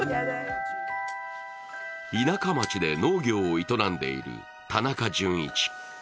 田舎町で農業を営んでいる田中淳一。